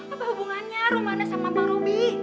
apa hubungannya rumana sama pak robi